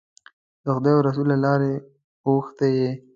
د خدای او رسول له لارې اوښتی یې.